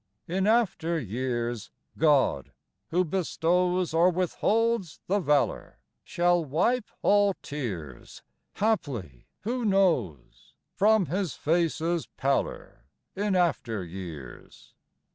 In after years God, who bestows Or withholds the valor, Shall wipe all tears Haply, who knows? From his face's pallor In after years.